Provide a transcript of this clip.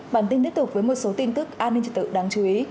bản tin tiếp tục với một số tin tức an ninh trật tự đáng chú ý